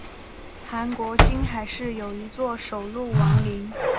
韩国金海市有一座首露王陵。